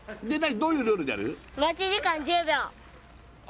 どういうルールでやる？